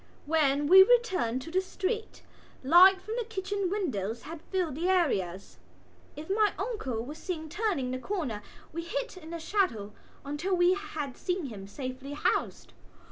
When we returned to the street light from the kitchen windows had filled the areas. If my uncle was seen turning the corner we hid in the shadow until we had seen him safely housed.